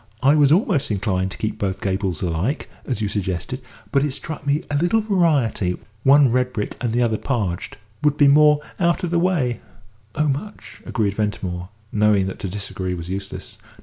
I was almost inclined to keep both gables alike, as you suggested, but it struck me a little variety one red brick and the other 'parged' would be more out of the way." "Oh, much," agreed Ventimore, knowing that to disagree was useless.